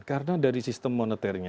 karena dari sistem moneternya